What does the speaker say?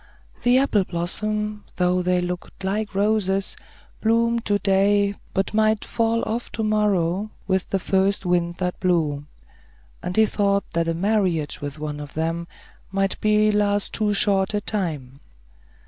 The apple blossoms, though they looked like roses, bloomed to day, but might fall off to morrow, with the first wind that blew; and he thought that a marriage with one of them might last too short a time.